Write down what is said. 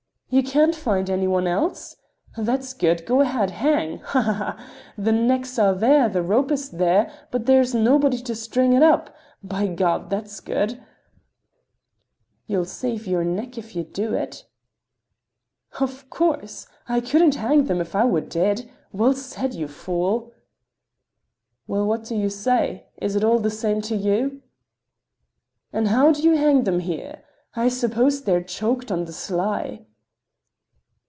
"You can't find any one else? That's good! Go ahead, hang! Ha! ha! ha! The necks are there, the rope is there, but there is nobody to string it up. By God! that's good!" "You'll save your neck if you do it." "Of course—I couldn't hang them if I were dead. Well said, you fool!" "Well, what do you say? Is it all the same to you?" "And how do you hang them here? I suppose they're choked on the sly."